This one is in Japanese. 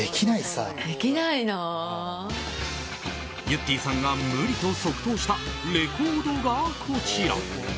ゆってぃさんが無理と即答したレコードが、こちら。